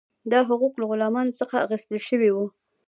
دا حقوق له غلامانو څخه اخیستل شوي وو.